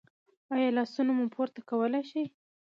ایا لاسونه مو پورته کولی شئ؟